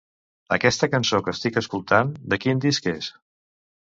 Aquesta cançó que estic escoltant de quin disc és?